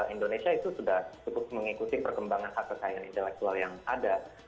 indonesia itu sudah cukup mengikuti perkembangan hak kekayaan intelektual yang ada